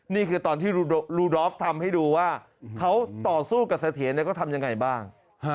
นี่คือตอนที่ลูดอฟทำให้ดูว่าเขาต่อสู้กับเสถียรเขาทำยังไงบ้าง